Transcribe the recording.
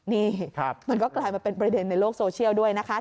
นี่มันก็กลายมาเป็นประเด็นในโลกโซเชียลด้วยนะคะ